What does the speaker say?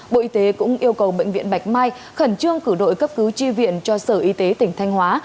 bộ y tế cũng yêu cầu bệnh viện bạch mai khẩn trương cử đội cấp cứu tri viện cho sở y tế tỉnh thanh hóa